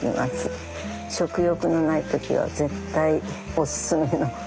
食欲のない時は絶対オススメの。